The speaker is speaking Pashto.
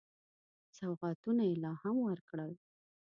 سوغاتونه یې لا هم ورکړل.